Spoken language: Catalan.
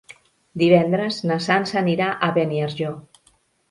Divendres na Sança anirà a Beniarjó.